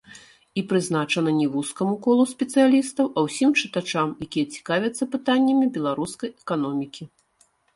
І прызначана не вузкаму колу спецыялістаў, а усім чытачам, якія цікавяцца пытаннямі беларускай эканомікі.